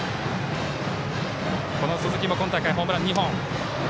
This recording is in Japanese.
鈴木も今大会、ホームラン２本。